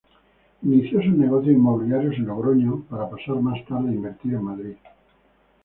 Inició sus negocios inmobiliarios en Logroño, para pasar más tarde a invertir en Madrid.